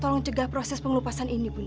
tolong cegah proses pengelupasan ini bu